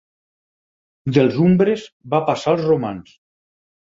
Dels umbres va passar als romans.